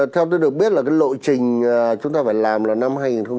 theo tôi được biết là lộ trình chúng ta phải làm là năm hai nghìn một mươi chín